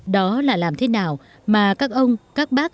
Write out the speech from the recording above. đó là làm thế nào mà các ông các bác